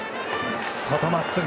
外、まっすぐ！